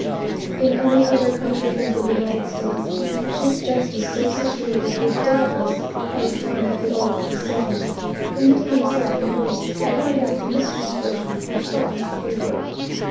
In any other country than the United States, a chief justice so situated would doubtless have affirmed the old precedents, permitting himself, at most, to point out the mischief which, he thought, they worked.